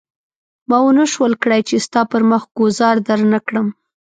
ما ونه شول کړای چې ستا پر مخ ګوزار درنه کړم.